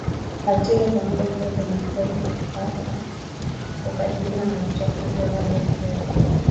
Algeria kwa muda mrefu imekuwa ikihaha kukabiliana na uchafuzi wa hali ya hewa